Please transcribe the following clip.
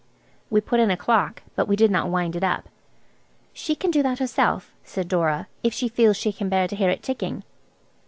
We put in a clock, but we did not wind it up. "She can do that herself," said Dora, "if she feels she can bear to hear it ticking."